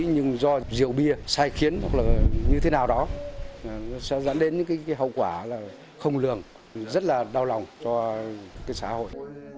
nhưng do rượu bia sai khiến hoặc là như thế nào đó sẽ dẫn đến những hậu quả là không lường rất là đau lòng cho xã hội